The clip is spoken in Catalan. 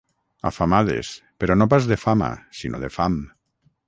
Afamades, però no pas de fama sinó de fam.